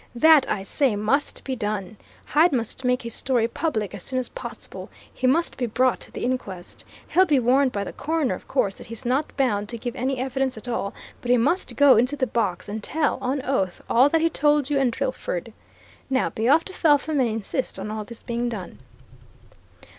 That, I say, must be done! Hyde must make his story public as soon as possible. He must be brought to the inquest. He'll be warned by the coroner, of course, that he's not bound to give any evidence at all, but he must go into the box and tell, on oath, all that he told you and Drillford. Now be off to Felpham and insist on all this being done."